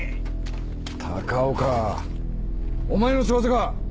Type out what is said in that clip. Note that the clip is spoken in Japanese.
鷹岡お前の仕業か？